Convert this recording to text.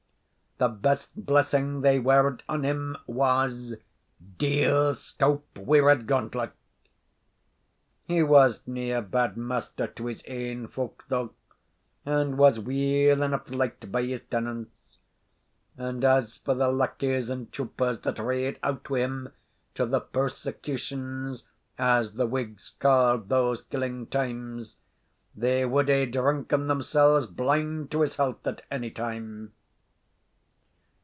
The best blessing they wared on him was, "Deil scowp wi' Redgauntlet!" He wasna a bad master to his ain folk, though, and was weel aneugh liked by his tenants; and as for the lackeys and troopers that rade out wi' him to the persecutions, as the Whigs caa'd those killing times, they wad hae drunken themsells blind to his health at ony time.